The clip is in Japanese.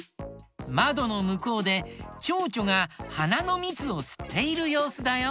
まどのむこうでちょうちょがはなのみつをすっているようすだよ。